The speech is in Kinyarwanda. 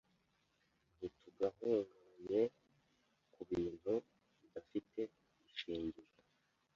Ntitugahungabanye kubintu bidafite ishingiro.